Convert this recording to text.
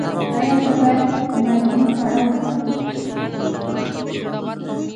ایا زه باید مالګین خواړه وخورم؟